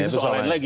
itu soal lain lagi